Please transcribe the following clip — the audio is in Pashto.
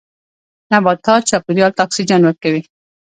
نباتات چاپیریال ته اکسیجن ورکوي